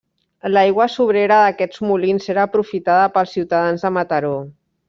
L'aigua sobrera d'aquests molins era aprofitada pels ciutadans de Mataró.